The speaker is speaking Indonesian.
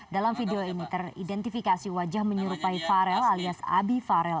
dalam video ini teridentifikasi wajah menyerupai farel alias abi farel